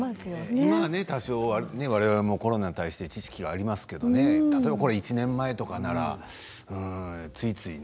今はわれわれもコロナに対して知識はありますけれどこれが１年前とかならついついね。